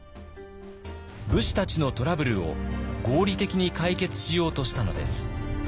武士たちのトラブルを合理的に解決しようとしたのです。